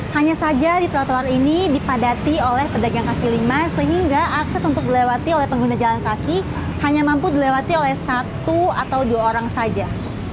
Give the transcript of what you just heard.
hanya saja di trotoar ini dipadati oleh pedagang kaki lima sehingga akses untuk dilewati oleh pengguna jalan kaki hanya mampu dilewati oleh satu atau dua orang saja